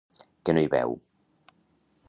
Que no hi veu?